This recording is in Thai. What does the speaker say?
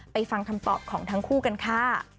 ฟังคำตอบของทั้งคู่กันค่ะ